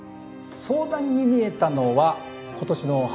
相談に見えたのは今年の初め頃です。